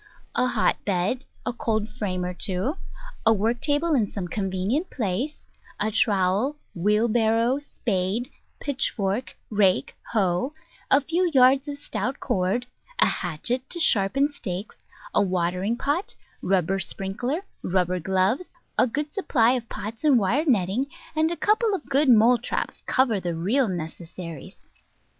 A hotbed, a cold frame or two, a work table in some convenient place, a trowel, wheel barrow, spade, pitchfork, rake, hoe, a few yards of stout cord, a hatchet to sharpen stakes, a watering pot, rubber sprinkler, rubber gloves, a good supply of pots and wire netting, and a couple of good mole traps cover the real necessaries.